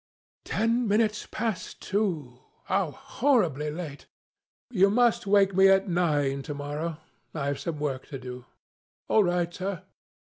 "Ten minutes past two? How horribly late! You must wake me at nine to morrow. I have some work to do." "All right, sir."